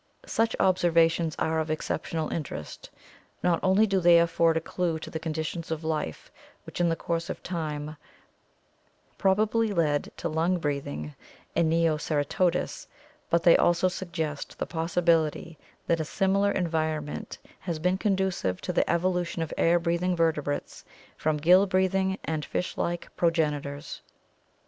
Such observations are of exceptional interest. Not only do they afford a clue to the conditions of life which, in the course of time, probably led to lung breathing in Neoceratodus, but they also suggest the possibility that a similar environment has been conducive to the evolution of air breathing vertebrates from gill breathing and fish like progenitors.